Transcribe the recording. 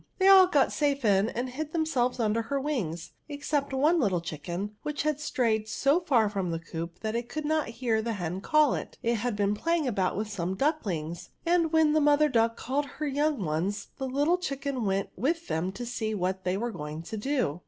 They all got safe in and hid themselves imder her wings, except one little diicken, which had strayed so far from the coop that it could not hear the hen call it* It had been playing about with some ducklings, and when the mother duck called her yoimg ones^ the little chicken went with them to see what they were going to do.